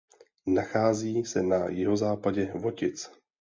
Nachází se na jihozápadě Votic.